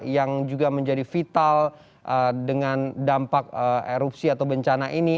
yang juga menjadi vital dengan dampak erupsi atau bencana ini